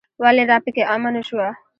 ولې راپکې عامه نه شوه.